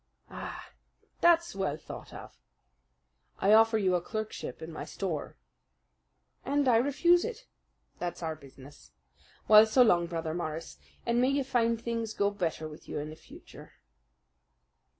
"Ah! that's well thought of." "I offer you a clerkship in my store." "And I refuse it. That's our business. Well, so long, Brother Morris, and may you find things go better with you in the future."